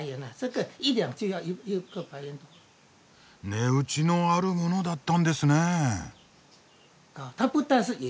値打ちのあるものだったんですねえ。